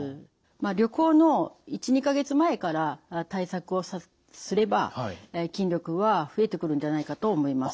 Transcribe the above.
旅行の１２か月前から対策をすれば筋力は増えてくるんじゃないかと思います。